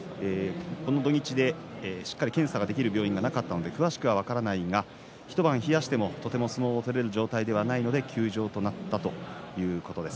この土日にしっかり検査ができる病院がなかったので詳しく分からないが一晩冷やしてもとても相撲が取れる状態ではないので休場となったということです。